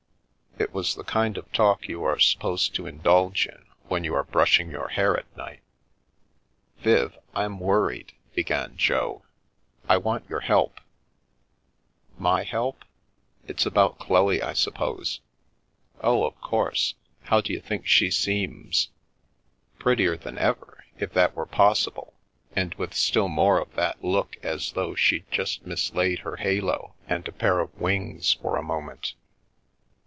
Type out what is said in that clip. It was the kind of talk you are supposed to indulge in when you are brushing your hair at night. " Viv, I'm worried," began Jo. " I want your help." " My help? It's about Chloe, I suppose? "" Oh, of course. How d'you think she seems? "" Prettier than ever, if that were possible, and with still more of that look as though she'd just mislaid her halo and a pair of wings for a moment."